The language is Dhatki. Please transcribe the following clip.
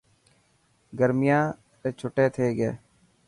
گرميان ري ڇٽي ٿي گئي.